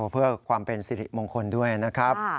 เพื่อความเป็นสิริมงคลด้วยนะครับ